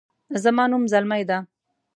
زما نوم زلمۍ ده